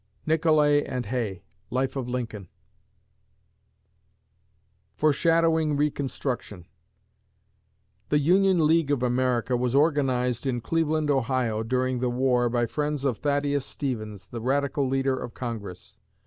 NICHOLAY AND HAY (Life of Lincoln) FORESHADOWING RECONSTRUCTION The Union League of America was organized in Cleveland, Ohio, during the war by friends of Thaddeus Stevens, the Radical leader of Congress.